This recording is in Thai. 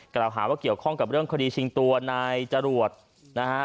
กล่าวหาว่าเกี่ยวข้องกับเรื่องคดีชิงตัวนายจรวดนะฮะ